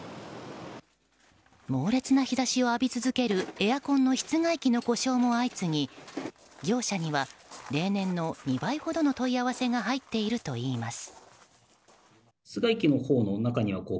猛烈な日差しを浴び続けるエアコンの室外機の故障も相次ぎ業者には例年の２倍ほどの問い合わせが入っているといいます。